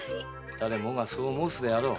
誰もがそう申すであろう。